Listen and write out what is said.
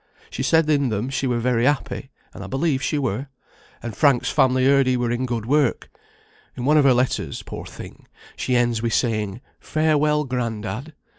She said in them she were very happy, and I believe she were. And Frank's family heard he were in good work. In one o' her letters, poor thing, she ends wi' saying, 'Farewell, Grandad!'